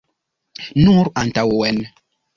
Nur antaŭen.